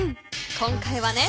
今回はね